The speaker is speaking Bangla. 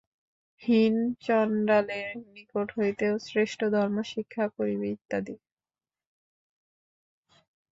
হীন চণ্ডালের নিকট হইতেও শ্রেষ্ঠ ধর্ম শিক্ষা করিবে, ইত্যাদি।